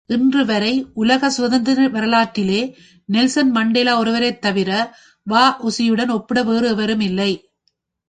இன்று வரை உலக சுதந்திர வரலாற்றிலே நெல்சன் மண்டேலா ஒருவரைத் தவிர வ.உசியுடன் ஒப்பிட வேறு எவருமில்லை!